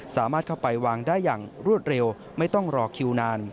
สามารถเข้าไปวางได้อย่างรวดเร็วไม่ต้องรอคิวนาน